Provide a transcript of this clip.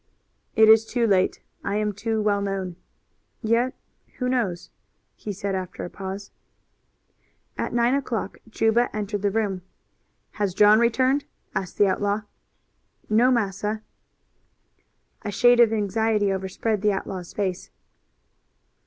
"It is too late; I am too well known. Yet who knows?" he said after a pause. At nine o'clock Juba entered the room. "Has John returned?" asked the outlaw. "No, massa." A shade of anxiety overspread the outlaw's face.